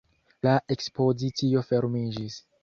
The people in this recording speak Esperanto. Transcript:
La ekspozicio fermiĝis.